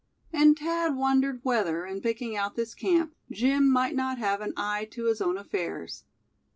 And Thad wondered whether, in picking out this camp, Jim might not have had an eye to his own affairs.